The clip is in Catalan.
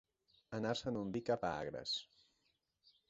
Anar-se'n un vi cap a Agres.